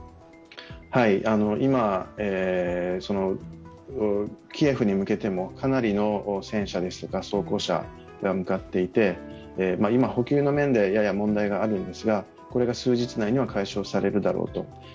今、キエフに向けて、かなりの戦車、装甲車が向かっていて今、補給の面でやや問題があるんですがこれが数日内には解消されるだろうと。